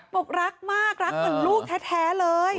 บอกรักมากรักเหมือนลูกแท้เลย